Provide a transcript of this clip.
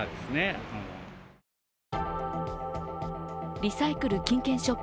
リサイクル・金券ショップ